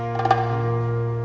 karena sekarang sudah sore